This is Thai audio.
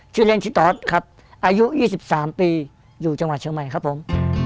ชื่อเล่นชื่อตอสครับอายุ๒๓ปีอยู่จังหวัดเชียงใหม่ครับผม